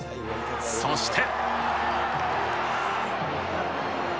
そして。